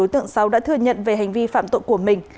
đối tượng sáu đã thừa nhận về hành vi phạm tội của mình